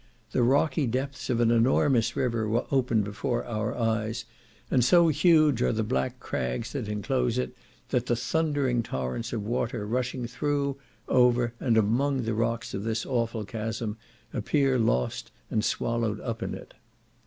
The rocky depths of an enormous river were opened before our eyes and so huge are the black crags that inclose it, that the thundering torrents of water rushing through, over, and among the rocks of this awful chasm, appear lost and swallowed up in it.